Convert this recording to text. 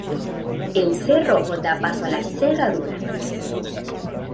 El "cerrojo" daba paso a la "cerradura".